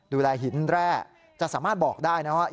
ดูแลหินแร่จะสามารถบอกได้นะครับ